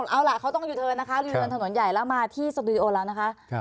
เอาล่ะเขาต้องยูเทิร์นนะคะยูเทิร์นถนนใหญ่แล้วมาที่สตูดิโอแล้วนะคะ